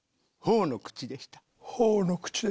ホーの口でした。